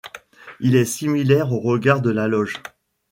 Il est similaire au regard de la Loge.